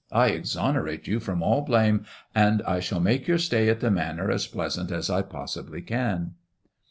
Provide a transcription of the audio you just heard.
I exonerate you from all blame, and I shall make your stay at the Manor as pleasant as I possibly can."